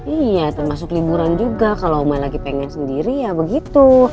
iya termasuk liburan juga kalau oma lagi pengen sendiri ya begitu